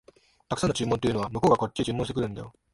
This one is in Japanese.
沢山の注文というのは、向こうがこっちへ注文してるんだよ